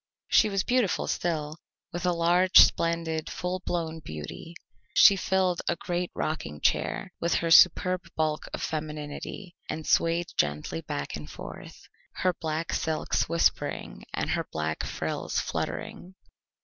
She was beautiful still, with a large, splendid, full blown beauty; she filled a great rocking chair with her superb bulk of femininity, and swayed gently back and forth, her black silks whispering and her black frills fluttering.